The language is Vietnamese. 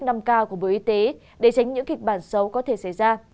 nâng cao của bộ y tế để tránh những kịch bản xấu có thể xảy ra